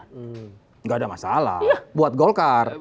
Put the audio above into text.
tidak ada masalah buat golkar